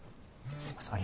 すいません